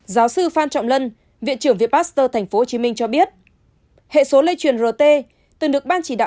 giáo sư phan trọng lân viện trưởng viện pasteur tp hcm cho biết hệ số lây truyền rt từng được ban chỉ đạo